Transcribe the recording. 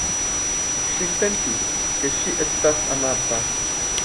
Ŝi sentis, ke ŝi estas amata.